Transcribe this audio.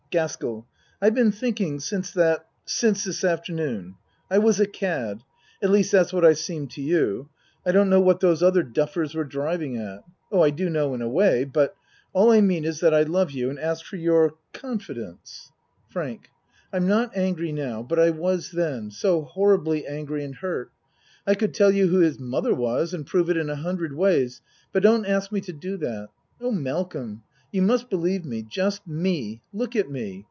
GASKELL I've been thinking since that since this afternoon. I was a cad. At least that's what I seemed to you. I don't know what those other duffers were driving at Oh, I do know in a way but All I mean is that I love you and ask for your confidence. 8o A MAN'S WORLD FRANK I'm not angry now, but I was then so horribly angry and hurt. I could tell you who his mother was and prove it in a hundred ways but don't ask me to do that. Oh, Malcolm You must believe me just me. Look at me.